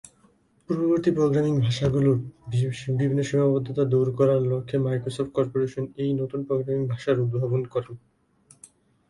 পূর্ববর্তী প্রোগ্রামিং ভাষাগুলোর বিভিন্ন সীমাবদ্ধতা দূর করার লক্ষ্যে মাইক্রোসফট করপোরেশন এই নতুন প্রোগ্রামিং ভাষার উদ্ভাবন করে।